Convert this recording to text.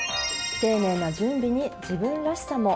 丁寧な準備に自分らしさも。